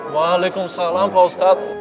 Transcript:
waalaikumsalam pak ustaz